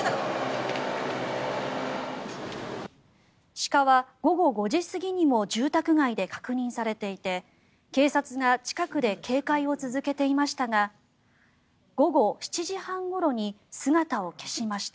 鹿は午後５時過ぎにも住宅街で確認されていて警察が近くで警戒を続けていましたが午後７時半ごろに姿を消しました。